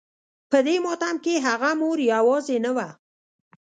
په دې ماتم کې هغه مور يوازې نه وه.